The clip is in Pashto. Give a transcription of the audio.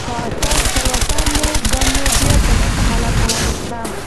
تلوسه به مو ډېر چټک حالت ته واوښته.